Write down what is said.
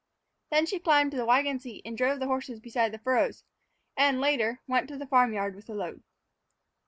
Then she climbed to the wagon seat and drove the horses beside the furrows, and, later, went to the farm yard with a load.